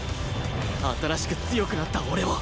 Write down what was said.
新しく強くなった俺を